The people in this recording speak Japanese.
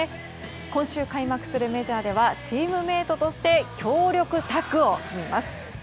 今週開幕するメジャーではチームメートとして強力タッグを組みます。